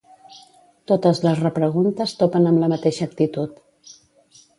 Totes les repreguntes topen amb la mateixa actitud.